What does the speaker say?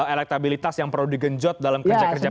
elektabilitas yang perlu digenjot dalam kerja kerja